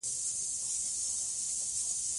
کتاب ستا ښه ملګری دی.